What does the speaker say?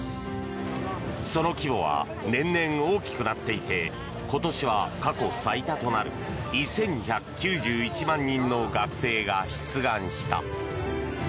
その規模は年々大きくなっていて今年は過去最多となる１２９１万人の学生が出願した。